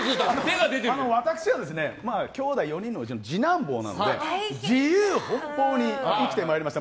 私はきょうだい４人中の次男坊なので自由奔放に生きてまいりました。